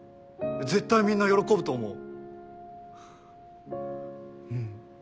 絶対みんな喜ぶと思う。